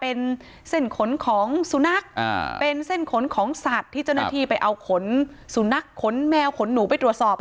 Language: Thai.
เป็นเส้นขนของสุนัขเป็นเส้นขนของสัตว์ที่เจ้าหน้าที่ไปเอาขนสุนัขขนแมวขนหนูไปตรวจสอบ